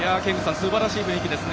すばらしい雰囲気ですね。